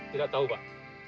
tidak tahu pak